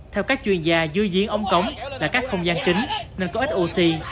theo các chuyên gia dưới diến ống cống là các không gian chính nên có ít oxy